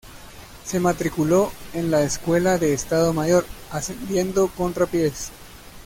Se matriculó en la Escuela de Estado Mayor, ascendiendo con rapidez.